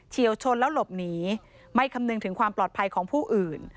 วชนแล้วหลบหนีไม่คำนึงถึงความปลอดภัยของผู้อื่น